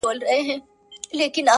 مړې غټې تورې سترګې لوی باڼه درازې زلفې